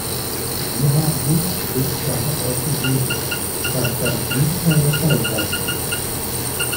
Wir haben jeden Grund, davon auszugehen, dass das Gegenteil der Fall sein wird.